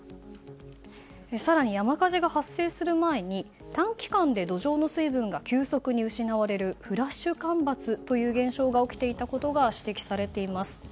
更に山火事が発生する前に短期間に土壌の水分が急速に失われるフラッシュ干ばつという現象が起きていたことが指摘されています。